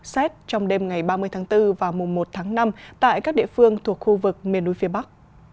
xét trong đêm ngày ba mươi tháng bốn và mùa một tháng năm tại các địa phương thuộc khu vực miền núi phía bắc